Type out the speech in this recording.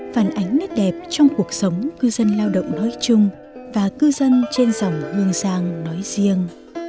phản ánh nét đẹp trong cuộc sống cư dân lao động nói chung và cư dân trên dòng hương giang nói riêng